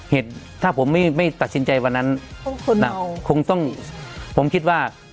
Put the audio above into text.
เหตุถ้าผมไม่ตัดสินใจวันนั้นคงต้องผมคิดว่า